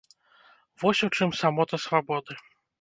Вось у чым самота свабоды.